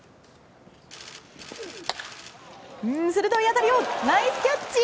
鋭い当たりをナイスキャッチ！